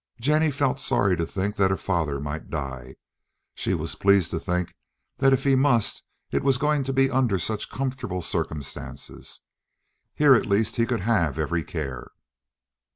Jennie felt sorry to think that her father might die, but she was pleased to think that if he must it was going to be under such comfortable circumstances. Here at least he could have every care.